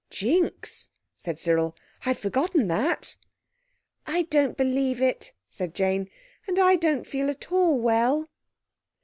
"Jinks!" said Cyril, "I'd forgotten that." "I don't believe it," said Jane, "and I don't feel at all well."